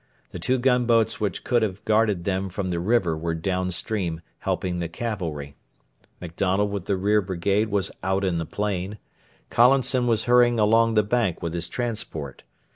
The two gunboats which could have guarded them from the river were down stream, helping the cavalry; MacDonald with the rear brigade was out in the plain; Collinson was hurrying along the bank with his transport.